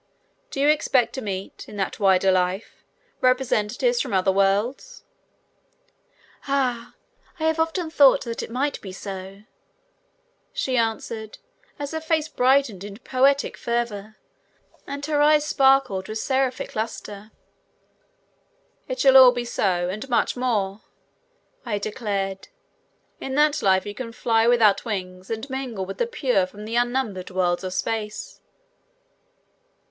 "Do you expect to meet, in that wider life, representatives from other worlds?" "Ah! I have often thought that it might be so," she answered, as her face brightened in poetic fervor, and her eyes sparkled with seraphic luster. "It shall all be so, and much more," I declared. "In that life you can fly without wings and mingle with the pure from the unnumbered worlds of space."